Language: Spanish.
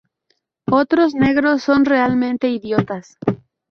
Otros negros son realmente idiotas"".